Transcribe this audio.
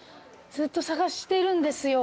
ずっと探してるんですよ。